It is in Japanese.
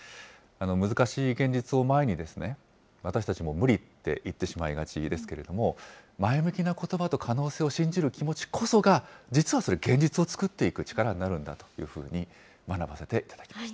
難しい現実を前に、私たちも無理って言ってしまいがちですけれども、前向きなことばと可能性を信じる気持ちこそが、実はそれ、現実を作っていく力になるんだというふうに学ばせていただきまし